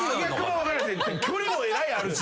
距離もえらいあるし。